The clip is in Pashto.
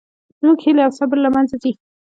زموږ هیلې او صبر له منځه ځي